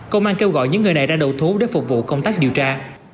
công an kêu gọi những người này ra đầu thú để phục vụ công tác điều tra